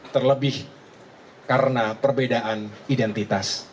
terlebih karena perbedaan identitas